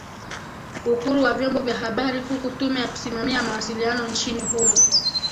uhuru wa vyombo vya habari huku tume ya kusimamia mawasiliano nchini humo